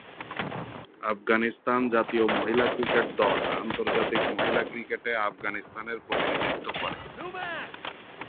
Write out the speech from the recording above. আফগানিস্তান জাতীয় মহিলা ক্রিকেট দল আন্তর্জাতিক মহিলা ক্রিকেটে আফগানিস্তানের প্রতিনিধিত্ব করে।